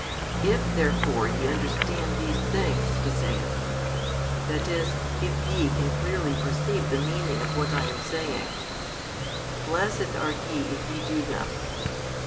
If therefore ye understand these things, He saith that is, "if ye can clearly perceive the meaning of what I am saying," blessed are ye if ye do them.